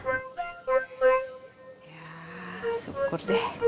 ya syukur deh